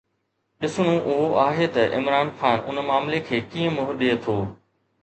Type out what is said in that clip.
ڏسڻو اهو آهي ته عمران خان ان معاملي کي ڪيئن منهن ڏئي ٿو.